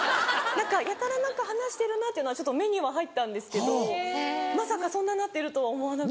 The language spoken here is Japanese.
何かやたら話してるなっていうのは目には入ったんですけどまさかそんななってるとは思わなくて。